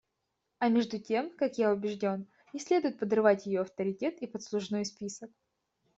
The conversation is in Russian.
А между тем, как я убежден, не следует подрывать ее авторитет и послужной список.